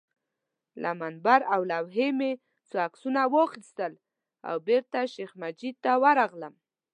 له منبر او لوحې مې څو عکسونه واخیستل او بېرته شیخ مجید ته ورغلم.